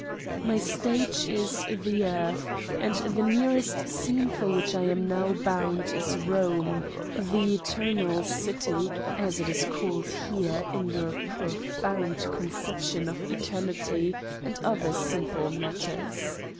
My stage is the earth and the nearest scene for which I am now bound is Eome, the Eternal City, as it is called here, in your profound conception of eternity and other simple matters.